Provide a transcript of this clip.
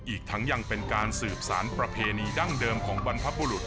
อีกทั้งยังเป็นการสืบสารประเพณีดั้งเดิมของบรรพบุรุษ